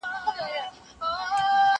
زه پرون چايي وڅښلې